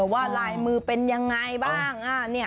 ว่าลายมือเป็นยังไงบ้าง